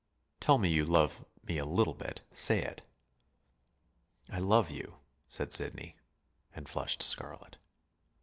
"Tell me you love me a little bit. Say it." "I love you," said Sidney, and flushed scarlet.